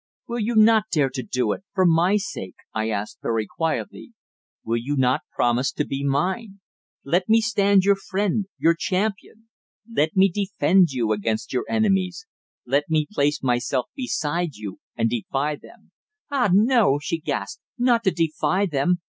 "Will you not dare to do it for my sake?" I asked very quietly. "Will you not promise to be mine? Let me stand your friend your champion. Let me defend you against your enemies. Let me place myself beside you and defy them." "Ah, no!" she gasped, "not to defy them.